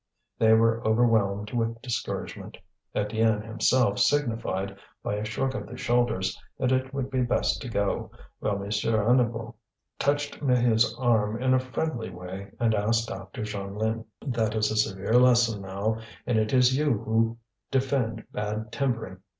They were overwhelmed with discouragement; Étienne himself signified by a shrug of the shoulders that it would be best to go; while M. Hennebeau touched Maheu's arm in a friendly way and asked after Jeanlin. "That is a severe lesson now, and it is you who defend bad timbering.